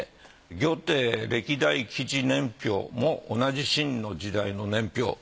「御定歴代紀事年表」も同じ晋の時代の年表。